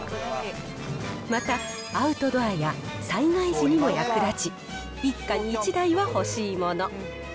また、アウトドアや災害時にも役立ち、一家に一台は欲しいもの。